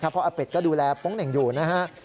เพราะอาเป็ดก็ดูแลโป๊งเหน่งอยู่นะฮะ